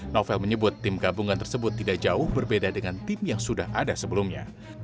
novel menyebut tim gabungan tersebut tidak jauh berbeda dengan tim yang sudah ada sebelumnya